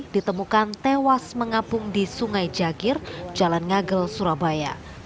ditemukan tewas mengapung di sungai jagir jalan ngagel surabaya